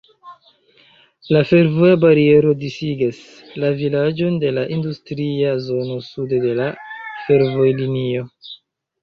La fervoja bariero disigas la vilaĝon de la industria zono sude de la fervojlinio.